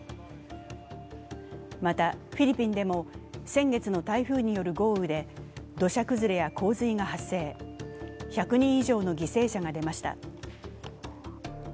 また、フィリピンでも先月の台風による豪雨で土砂崩れや洪水が発生、１００人以上の犠牲者が出ました。